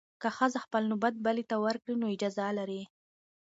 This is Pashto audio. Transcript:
که ښځه خپل نوبت بلې ته ورکړي، نو اجازه لري.